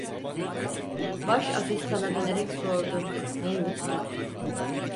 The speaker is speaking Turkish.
Başasistana dönerek sordu: Neymiş?